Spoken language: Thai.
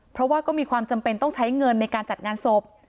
เพราะว่าก็มีความจำเป็นต้องใช้เงินในการจัดงานศพ